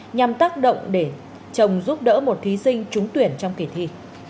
nhằm tác động để chồng giúp đỡ một thí sinh trúng tuyển trong kỳ thi